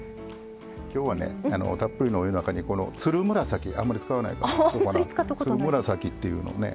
今日はねたっぷりのお湯の中にこのつるむらさきあんまり使わないこのつるむらさきというのをね